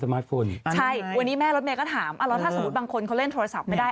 มาร์ทโฟนอีกใช่วันนี้แม่รถเมย์ก็ถามอ่าแล้วถ้าสมมุติบางคนเขาเล่นโทรศัพท์ไม่ได้